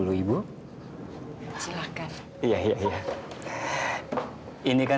kava bubuk oh kava bubuk